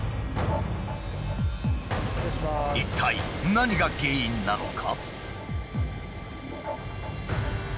一体何が原因なのか？